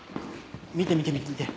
見て見て見て見て。